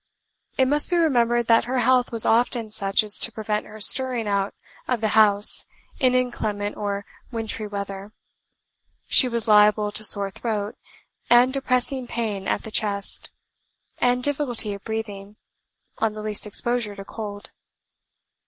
It must be remembered that her health was often such as to prevent her stirring out of the house in inclement or wintry weather. She was liable to sore throat, and depressing pain at the chest, and difficulty of breathing, on the least exposure to cold.